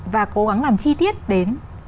và cố gắng làm chi tiết đến